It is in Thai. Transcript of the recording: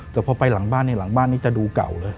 แต่พอไปหลังบ้านเนี่ยหลังบ้านนี้จะดูเก่าเลย